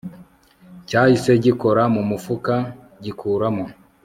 cyahise gikora mumufuka gikuramo